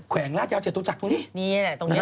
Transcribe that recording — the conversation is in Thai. แขวงราชยาวเจตุจักรตรงนี้